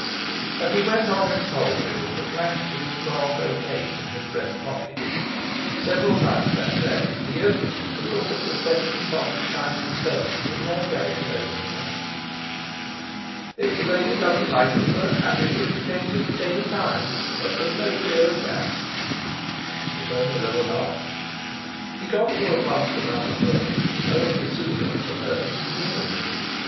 And he went on into the Poultry with the flat green morocco case in his breast pocket. Several times that day he opened it to look at the seven soft shining stones in their velvet oval nest. "If the lady doesn't like it, sir, happy to exchange it any time. But there's no fear of that." If only there were not! He got through a vast amount of work, only soother of the nerves he knew.